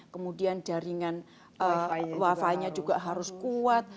kemudian jaringan wifi nya juga harus kuat